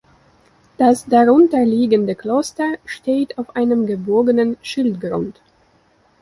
Das darunter liegende Kloster steht auf einem gebogenen Schildgrund.